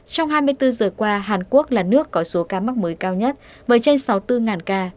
trong hai mươi bốn giờ qua hàn quốc là nước có số ca mắc mới cao nhất với trên sáu mươi bốn ca